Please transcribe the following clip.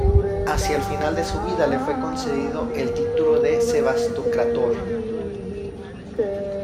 Hacia el final de su vida le fue concedido el título de "sebastocrátor".